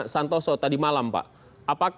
santoso tadi malam pak